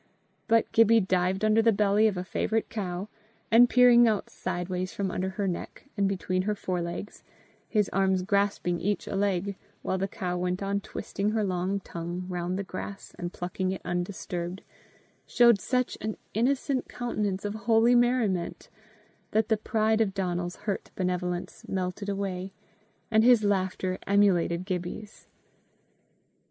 But Gibbie dived under the belly of a favourite cow, and peering out sideways from under her neck and between her forelegs, his arms grasping each a leg, while the cow went on twisting her long tongue round the grass and plucking it undisturbed, showed such an innocent countenance of holy merriment, that the pride of Donal's hurt benevolence melted away, and his laughter emulated Gibbie's.